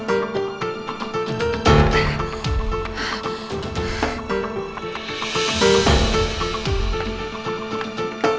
aku harus cari dia